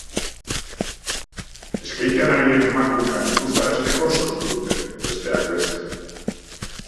Skatean ari diren emakumeak ikusarazteko sortu dute, besteak beste.